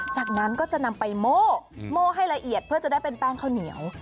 จากนั้นก็จะนำไปโม่โม่ให้ละเอียดเพื่อจะได้เป็นแป้งข้าวเหนียว